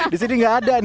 disini gak ada nih